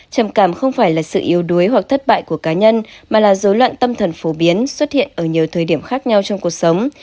trầm cảm không phải là sự yếu đuối hoặc thất bại của cá nhân mà là dối loạn tâm thần phổ biến xuất hiện ở nhiều thời điểm khác nhau trong cuộc sống